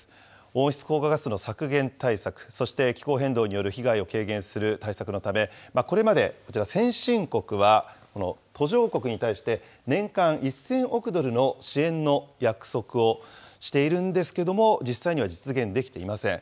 温室効果ガスの削減対策、そして気候変動による被害を軽減する対策のため、これまでこちら、先進国は途上国に対して年間１０００億ドルの支援の約束をしているんですけれども、実際には実現できていません。